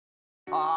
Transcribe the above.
あ！